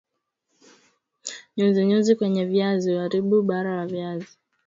nyuzi nyuzi kwenye viazi huaribu ubara wa viazi